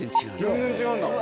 全然違うんだ。